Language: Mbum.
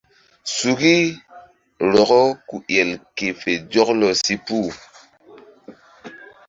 Suki rɔkɔ ku el ke fe zɔklɔ si puh.